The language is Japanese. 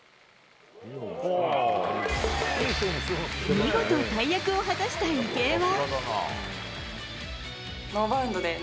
見事、大役を果たした池江は。